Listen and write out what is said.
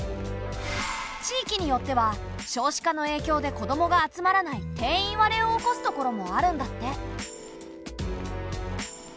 地域によっては少子化の影響で子どもが集まらない定員割れを起こすところもあるんだって。